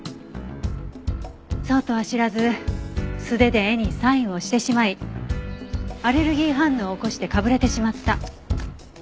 そうとは知らず素手で絵にサインをしてしまいアレルギー反応を起こしてかぶれてしまった。